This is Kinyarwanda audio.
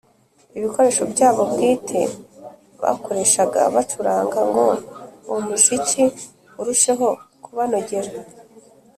ibikoresho byabo bwite bakoreshaga bacuranga ngo uwo muziki urusheho kubanogera.